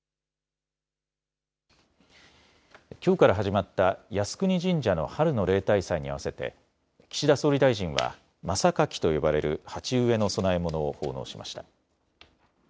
きょうから始まった靖国神社の春の例大祭に合わせて岸田総理大臣は真榊と呼ばれる鉢植えの供え物を奉納しました。